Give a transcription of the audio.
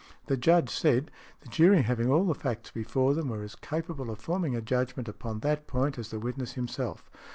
The Judge said, the jury having all the facts before them were as capable of forming a judgment upon that point as the witness himself.